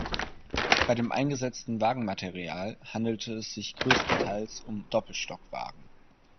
Bei dem eingesetzten Wagenmaterial handelte es sich größtenteils um Doppelstockwagen.